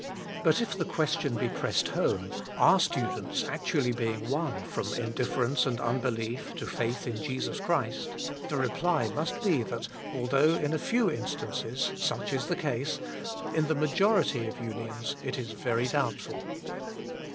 But if the question be pressed home, ^ Are students actually being won from indifference and unbelief to faith in Jesus Christ?' the reply must be that, although in a few instances such is the case, in the majority of Unions it is very doubtful.